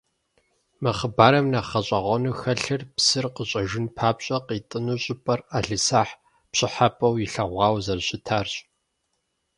Мы хъыбарым нэхъ гъэщӏэгъуэну хэлъыр псыр къыщӏэжын папщӏэ къитӏыну щӏыпӏэр ӏэлисахь пщӏыхьэпӏэу илъэгъуауэ зэрыщытарщ.